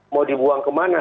mau dibuang kemana